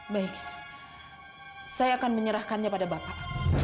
baik saya akan menyerahkannya pada bapak